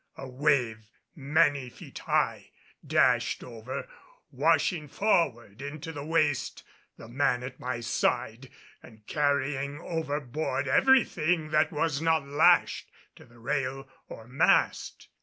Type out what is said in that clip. A wave many feet high dashed over, washing forward into the waist the man at my side and carrying overboard everything that was not lashed to the rail or mast.